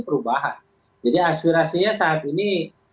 perubahan jadi aspirasinya saat ini